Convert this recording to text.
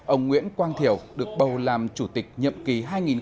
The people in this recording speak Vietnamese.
ông nguyễn quang thiểu được bầu làm chủ tịch nhậm ký hai nghìn hai mươi hai nghìn hai mươi năm